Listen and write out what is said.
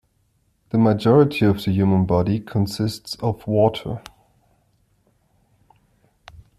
The majority of the human body consists of water.